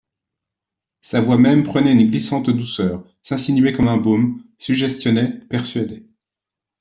Sa voix même prenait une glissante douceur, s'insinuait comme un baume, suggestionnait, persuadait.